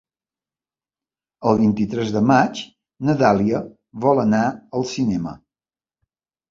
El vint-i-tres de maig na Dàlia vol anar al cinema.